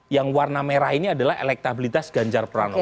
yang warna merah ini adalah elektabilitas ganjar pranowo